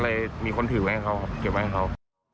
เลยมีคนถือไว้ให้เขาครับเก็บไว้ให้เขา